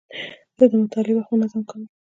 زه د مطالعې وخت منظم کوم.